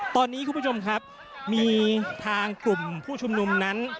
ตอนนี้คุณผู้ชมครับมีทางกลุ่มผู้ชุมนุมนั้น